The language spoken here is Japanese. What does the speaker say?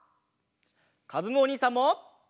かずむおにいさんも！